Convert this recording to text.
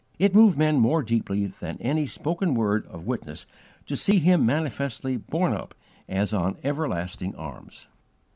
It moved men more deeply than any spoken word of witness to see him manifestly borne up as on everlasting Arms.